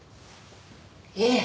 ええ。